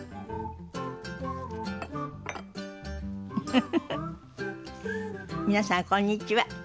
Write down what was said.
フフフフ皆さんこんにちは。